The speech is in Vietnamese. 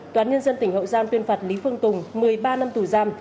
tòa án nhân dân tỉnh hậu giang tuyên phạt lý phương tùng một mươi ba năm tù giam